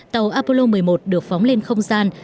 tàu apollo một mươi một được phóng lên không gian